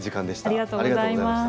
ありがとうございます。